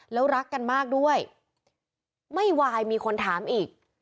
แล้วรักกันมากด้วยไม่ไหวมีคนถามอีก